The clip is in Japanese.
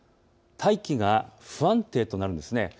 大気が不安定となるんです。